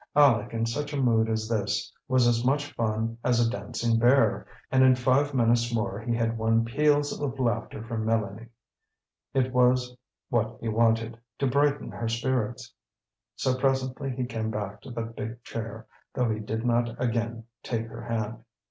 Aleck, in such a mood as this, was as much fun as a dancing bear, and in five minutes more he had won peals of laughter from Mélanie. It was what he wanted to brighten her spirits. So presently he came back to the big chair, though he did not again take her hand.